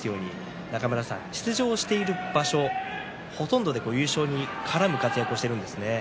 出場している場所、ほとんどで優勝に絡む活躍をしています。